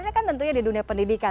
ini kan tentunya di dunia pendidikan